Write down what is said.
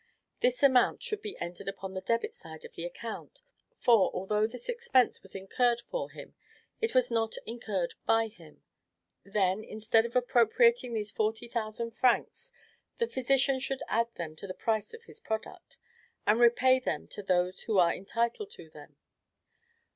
This amount should be entered upon the DEBIT side of the account. For, although this expense was incurred for him, it was not incurred by him. Then, instead of appropriating these forty thousand francs, the physician should add them to the price of his product, and repay them to those who are entitled to them.